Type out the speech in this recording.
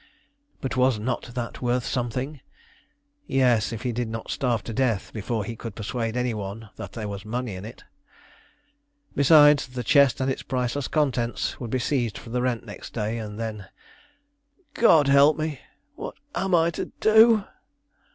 But was not that worth something? Yes, if he did not starve to death before he could persuade any one that there was money in it. Besides, the chest and its priceless contents would be seized for the rent next day, and then "God help me! What am I to do?"